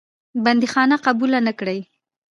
بندیخانه قبوله نه کړې.